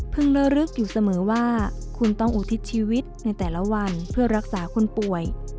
ระลึกอยู่เสมอว่าคุณต้องอุทิศชีวิตในแต่ละวันเพื่อรักษาคนป่วย